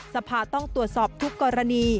สภาต้องตรวจสอบทุกกรณี